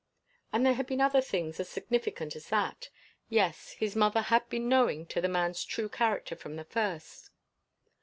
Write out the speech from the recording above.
And there had been other things as significant as that. Yes; his mother had been knowing to the man's true character from the first.